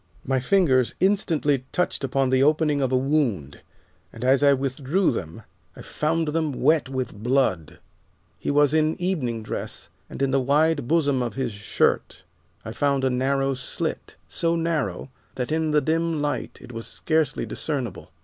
My fingers instantly touched upon the opening of a wound, and as I withdrew them I found them wet with blood. He was in evening dress, and in the wide bosom of his shirt I found a narrow slit, so narrow that in the dim light it was scarcely discernable.